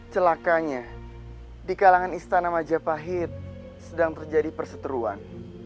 celakanya di kalangan istana majapahit sedang terjadi perseteruan